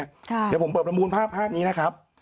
เดี๋ยวผมเปิดประมูลภาพภาพนี้นะครับ